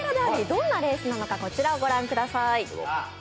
どんなレースなのかこちらをご覧ください。